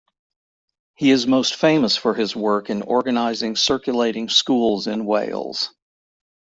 He is most famous for his work in organising circulating schools in Wales.